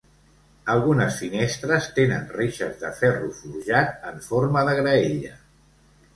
Algunes finestres tenen reixes de ferro forjat en forma de graella.